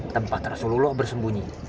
tempat rasulullah bersembunyi